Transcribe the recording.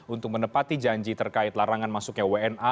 untuk menepati janji terkait larangan masuknya wna